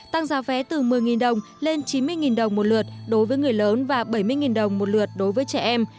tăng giá vé từ một mươi đồng lên chín mươi đồng một lượt đối với người lớn và bảy mươi đồng một lượt đối với trẻ em